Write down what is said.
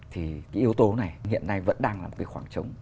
thì cái yếu tố này hiện nay vẫn đang là một cái khoảng trống